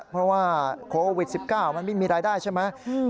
เพราะว่าโควิด๑๙มันไม่มีรายได้ใช่ไหม